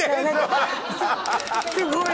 すごい。